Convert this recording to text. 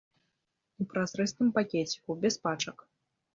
У празрыстым пакеціку, без пачак.